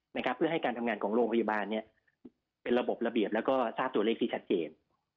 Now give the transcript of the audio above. เพื่อให้การทำงานของโรงพยาบาลเป็นระบบระเบียบแล้วก็ทราบตัวเลขสิ้นชัดเจน